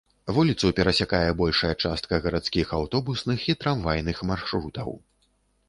Вуліцу перасякае большая частка гарадскіх аўтобусных і трамвайных маршрутаў.